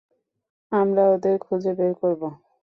আমরা ওদের খুঁজে বের করব।